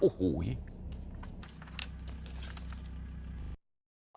โอ้โห